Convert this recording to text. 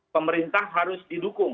pemerintah harus didukung